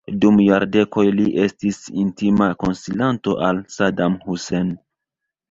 Dum jardekoj li estis intima konsilanto al Saddam Hussein.